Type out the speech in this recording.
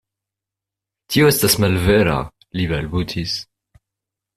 Tio estas malvera, li balbutis.